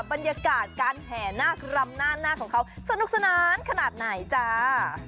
บรรยากาศการแห่นากรำหน้านาคของเขาสนุกสนานขนาดไหนจ้า